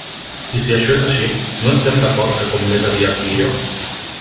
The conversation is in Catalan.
I si això és així, no estem d'acord que com més aviat millor?